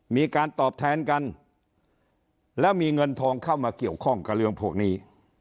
มีการตอบแทนกันแล้วมีเงินทองเข้ามาเกี่ยวข้องกับเรื่องพวกนี้